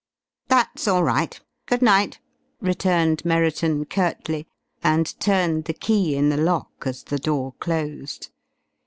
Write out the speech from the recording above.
"That's all right. Good night," returned Merriton curtly, and turned the key in the lock as the door closed.